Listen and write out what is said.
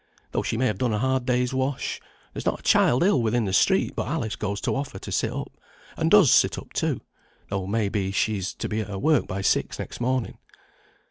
Though she may have done a hard day's wash, there's not a child ill within the street but Alice goes to offer to sit up, and does sit up too, though may be she's to be at her work by six next morning."